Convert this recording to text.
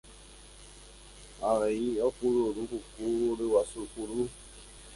avei okurukuku ryguasu kuru